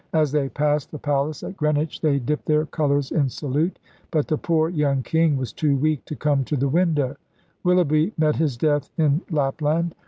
As they passed the palace at Greenwich they dipped their colors in salute. But the poor young king was too weak to come to the window. Willoughby met his death in Lap land.